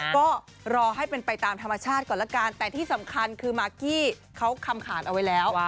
ก็รอให้เป็นไปตามธรรมชาติก่อนละกันแต่ที่สำคัญคือมากกี้เขาคำขานเอาไว้แล้ว